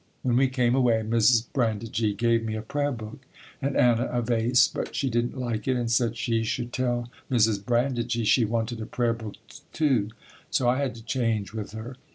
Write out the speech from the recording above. When we came away Mrs. Brandigee gave me a prayer book and Anna a vase, but she didn't like it and said she should tell Mrs. Brandigee she wanted a prayer book too, so I had to change with her.